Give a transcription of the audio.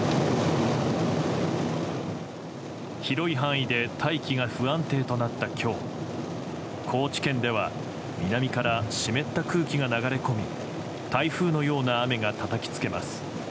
広い範囲で大気が不安定となった今日高知県では、南から湿った空気が流れ込み台風のような雨がたたきつけます。